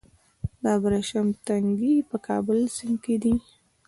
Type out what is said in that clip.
د ابریشم تنګی په کابل سیند کې دی